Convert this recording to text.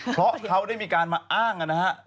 เพราะเขาได้มีการมาอ้างนะฮะ